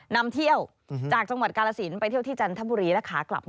นำเที่ยวจากจังหวัดกาลสินไปเที่ยวที่จันทบุรีและขากลับ